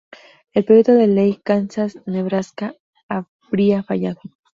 El proyecto de ley "Kansas-Nebraska" habría fallado.